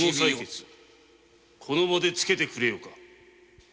この場でつけてくれようか。